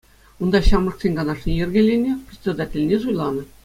Унта ҫамрӑксен канашне йӗркеленӗ, председательне суйланӑ.